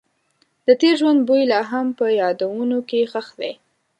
د تېر ژوند بوی لا هم په یادونو کې ښخ دی.